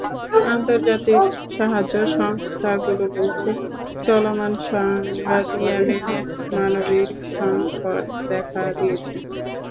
আন্তর্জাতিক সাহায্য সংস্থাগুলো বলছে, চলমান সংঘাতে ইয়েমেনে মানবিক সংকট দেখা দিয়েছে।